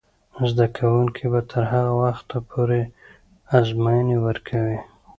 زده کوونکې به تر هغه وخته پورې ازموینې ورکوي.